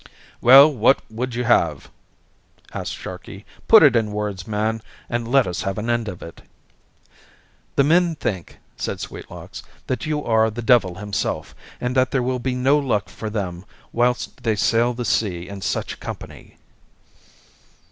"Well, what would you have?" asked Sharkey. "Put it in words, man, and let us have an end of it." "The men think," said Sweetlocks, "that you are the devil himself, and that there will be no luck for them whilst they sail the sea in such company.